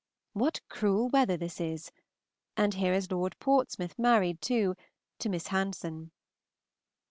What cruel weather this is! and here is Lord Portsmouth married, too, to Miss Hanson.